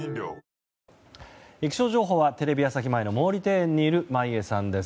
気象情報はテレビ朝日前の毛利庭園にいる眞家さんです。